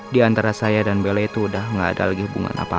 diantara saya dan bella itu udah gak ada lagi hubungan apa apa lagi